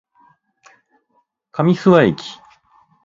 上諏訪駅